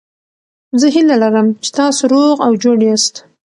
زه هیله لرم چې تاسو روغ او جوړ یاست.